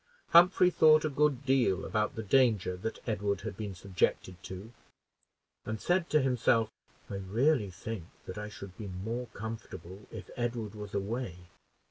Humphrey thought a good deal about the danger that Edward had been subjected to, and said to himself, "I really think that I should be more comfortable if Edward was away.